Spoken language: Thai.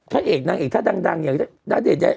ถ้าเอกนางเอกท่าดังน่าจะได้